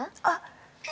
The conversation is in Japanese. あっ。